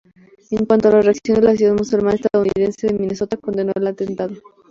En cuanto a las reacciones, la Sociedad Musulmana Estadounidense de Minnesota condenó el atentado.